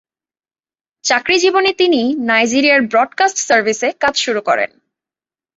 চাকরি জীবনে তিনি নাইজেরিয়ার ব্রডকাস্ট সার্ভিসে কাজ শুরু করেন।